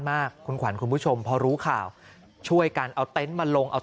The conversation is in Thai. มากคุณขวัญคุณผู้ชมพอรู้ข่าวช่วยกันเอาเต็นต์มาลงเอา